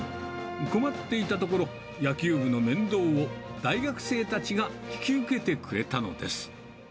困っていたところ、野球部の面倒を大学生たちが引き受けてくれたのです。